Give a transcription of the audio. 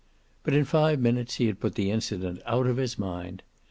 But in five minutes he had put the incident out of his mind.